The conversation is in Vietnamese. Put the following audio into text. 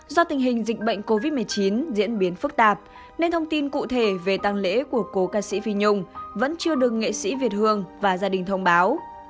do tình hình dịch bệnh covid một mươi chín diễn biến phức tạp nên thông tin cụ thể về tăng lễ của cố ca sĩ phi nhung vẫn chưa được nghệ sĩ việt hương và gia đình thông báo